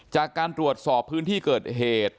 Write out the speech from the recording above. จากการตรวจสอบพื้นที่เกิดเหตุ